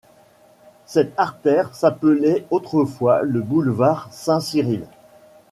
Cette artère s'appelait autrefois le boulevard Saint-Cyrille.